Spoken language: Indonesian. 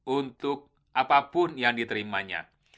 untuk apapun yang diterimanya